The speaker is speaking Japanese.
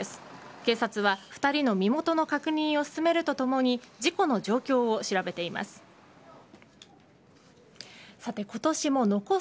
警察は２人の身元の確認を進めるとともに事故の状況を調べています。